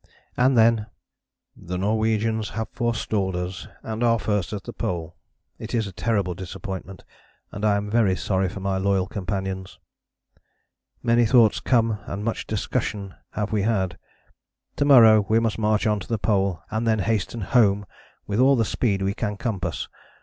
And then: "The Norwegians have forestalled us and are first at the Pole. It is a terrible disappointment, and I am very sorry for my loyal companions. Many thoughts come and much discussion have we had. To morrow we must march on to the Pole and then hasten home with all the speed we can compass.